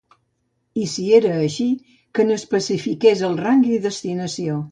I, si era així, que n’especifiqués el rang i destinació.